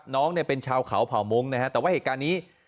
น้องเป็นชาวขาวเผ่ามงแต่ว่าเหตุการณ์นี้